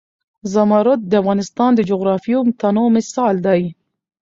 زمرد د افغانستان د جغرافیوي تنوع مثال دی.